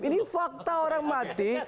ini fakta orang mati